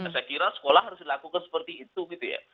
saya kira sekolah harus dilakukan seperti itu gitu ya